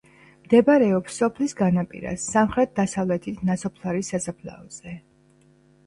მდებარეობს სოფლის განაპირას, სამხრეთ დასავლეთით, ნასოფლარის სასაფლაოზე.